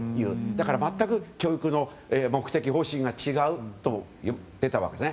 だから、全く教育の目的方針が違うといっていたわけです。